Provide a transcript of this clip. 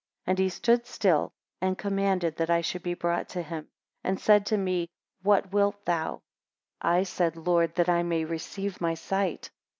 And he stood still, and commanded that I should be brought to him, and said to me, What wilt thou? 22 I said, Lord, that I may receive my sight.